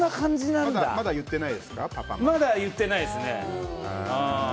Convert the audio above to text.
まだ言ってないですね。